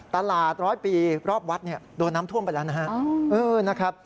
ตลาด๑๐๐ปีรอบวัดโดนน้ำท่วมไปแล้วนะฮะ